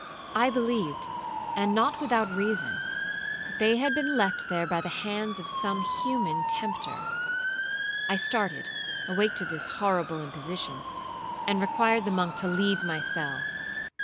I believed, and not without reason, they had been left there by the hands of some human tempter. I started, awake to this horrible imposition, and required the monk to leave my cell.